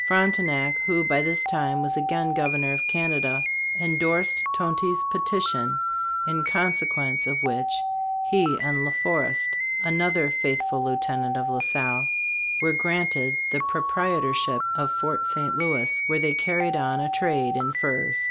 Frontenac, who by this time was again Governor of Canada, endorsed Tonty's petition, in consequence of which he and La Forest, another faith ful lieutenant of La Salle, were granted the proprietorship of Fort St. Louis, where they carried on a trade in furs.